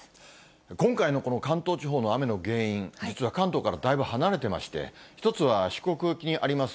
今回のこの関東地方の雨の原因、実は関東からだいぶ離れてまして、１つは、四国沖にあります